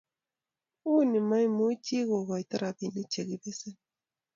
uni mu maimuchi ko koito robinik che kibesen